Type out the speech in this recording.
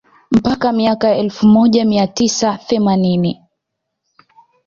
Mpaka miaka ya elfu moja mia tisa themanini